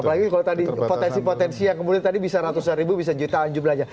apalagi kalau tadi potensi potensi yang kemudian tadi bisa ratusan ribu bisa jutaan jumlahnya